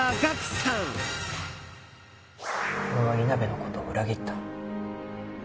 俺は稲辺のことを裏切った。